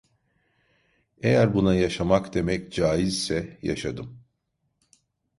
Eğer buna yaşamak demek caizse, yaşadım.